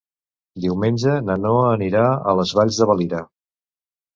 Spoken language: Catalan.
Diumenge na Noa anirà a les Valls de Valira.